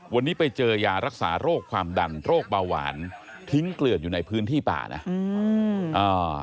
วันนี้ไปเจอยารักษาโรคความดันโรคเบาหวานทิ้งเกลือดอยู่ในพื้นที่ป่านะอืมอ่า